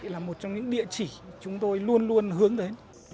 là một trong những địa chỉ chúng tôi luôn luôn hướng đến